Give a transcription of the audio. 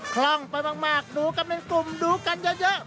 คล่องไปมากดูกันเป็นกลุ่มดูกันเยอะ